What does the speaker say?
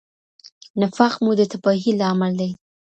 نفاق مو د تباهۍ لامل دی.